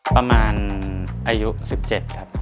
ประมาณอายุ๑๗ครับ